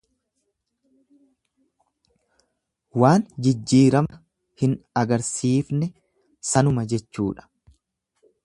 Waan jijjiirama hin agarsiifne, sanuma jechuudha